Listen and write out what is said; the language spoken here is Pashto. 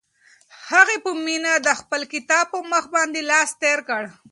هغې په مینه د خپل کتاب په مخ باندې لاس تېر کړ.